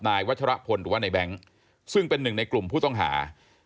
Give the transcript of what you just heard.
วัชรพลหรือว่าในแบงค์ซึ่งเป็นหนึ่งในกลุ่มผู้ต้องหา